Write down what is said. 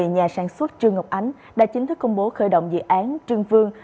nhà sản xuất trương ngọc ánh đã chính thức công bố khởi động dự án trương vương